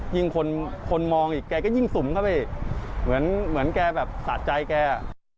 ยิ่งคนมองอีกแกก็ยิ่งสุ่มเข้าไปเหมือนแกแบบสะใจแก